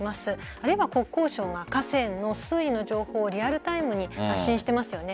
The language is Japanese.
あるいは国交省が河川の水位の情報をリアルタイムに発信していますよね。